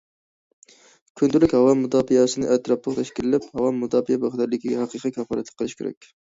كۈندىلىك ھاۋا مۇداپىئەسىنى ئەتراپلىق تەشكىللەپ، ھاۋا مۇداپىئە بىخەتەرلىكىگە ھەقىقىي كاپالەتلىك قىلىش كېرەك.